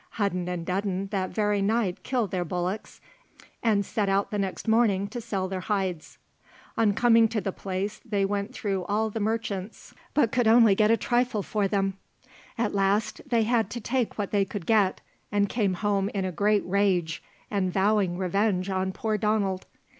Hudden and Dudden that very night killed their bullocks, and set out the next morning to sell their hides. On coming to the place they went through all the merchants, but could only get a trifle for them; at last they had to take what they could get, and came home in a great rage, and vowing revenge on poor Donald.